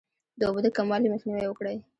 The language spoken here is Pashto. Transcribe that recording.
د اوبو د کموالي مخنیوی وکړئ.